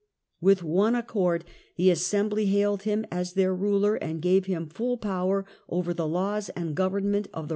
With one accord the assembly hailed him as their ruler, and gave Tribune \^\j^ fu^ power over the laws and government of the of the ^